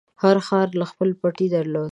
هر ښکاري خپل پټی درلود.